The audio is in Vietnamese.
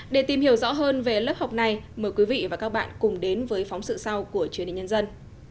để tìm hiểu rõ hơn về lớp học này mời quý vị và các bạn cùng đến với phóng sự sau của truyền hình nhân dân